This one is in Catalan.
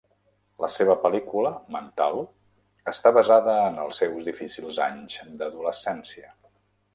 La seva pel·lícula "Mental" està basada en els seus difícils anys d'adolescència.